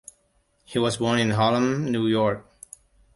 He was born in Harlem, New York.